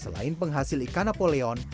selain penghasil ikan napoleon